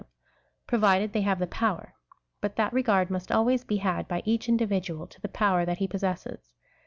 desired hy tliem, provided they have tlie power ; but that regard must always be had by each individual to the power that he possesses.